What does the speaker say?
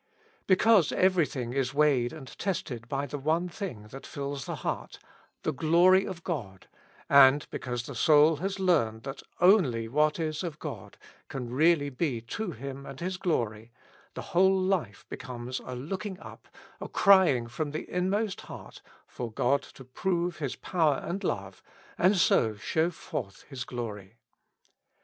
Because every thing is weighed and tested by the one thing that fills the heart — the glory of God, and because the soul has learned that only what is of God can really be to Him and His glory, the whole life becomes a look ing up, a crying from the inmost heart, for God to prove His power and love, and so show forth His glory.